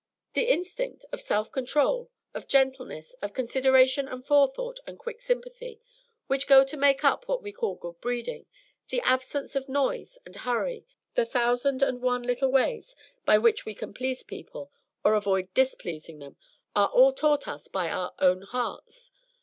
The instinct of self control, of gentleness, of consideration and forethought and quick sympathy, which go to make up what we call good breeding; the absence of noise and hurry, the thousand and one little ways by which we can please people, or avoid displeasing them, are all taught us by our own hearts.